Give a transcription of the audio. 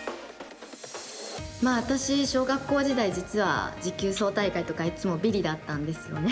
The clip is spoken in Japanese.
私、小学校時代持久走大会とかいつもビリだったんですよね。